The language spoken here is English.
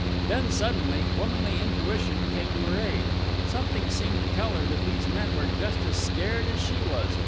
Then, suddenly, womanly intuition came to her aid. Something seemed to tell her that these men were just as scared as she was.